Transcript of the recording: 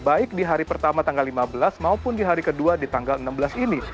baik di hari pertama tanggal lima belas maupun di hari kedua di tanggal enam belas ini